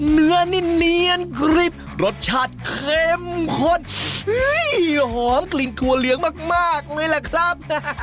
เนื้อนิดเนียนกริบรสชาติเค็มข้นหอมกลิ่นถั่วเลี้ยงมากมากเลยแหละครับ